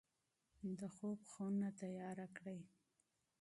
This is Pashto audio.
د خوب خونه تیاره کړئ.